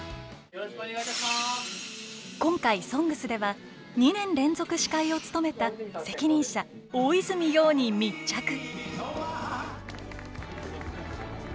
今回「ＳＯＮＧＳ」では２年連続司会を務めた責任者大泉洋に密着。